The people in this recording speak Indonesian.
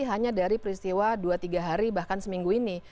hanya dari peristiwa dua tiga hari bahkan seminggu ini